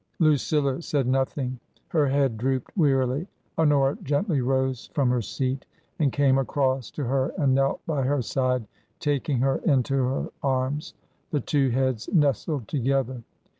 Lucilla said nothing. Her head drooped wearily. Honora gently rose from her seat and came across to her and knelt by her side, taking her into her arms. The too heads nestled together.